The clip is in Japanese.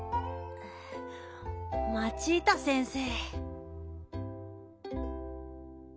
マチータ先生。